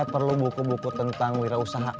saya perlu buku buku tentang wirausaha